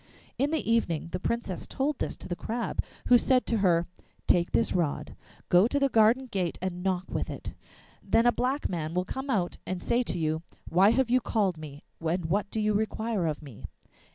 In the evening the Princess told this to the Crab, who said to her, 'Take this rod, go to the garden gate and knock with it, then a black man will come out and say to you, ''Why have you called me, and what do you require of me?